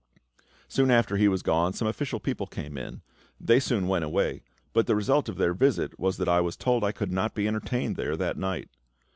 Soon after he was gone some official people came in; they soon went away, but the result of their visit was that I was told I could not be entertained there that night.